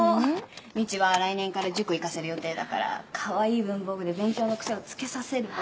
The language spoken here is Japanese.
ミチは来年から塾行かせる予定だからかわいい文房具で勉強の癖をつけさせるわ。